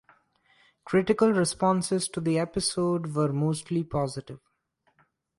Critical responses to the episode were mostly positive.